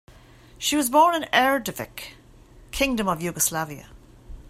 She was born in Erdevik, Kingdom of Yugoslavia.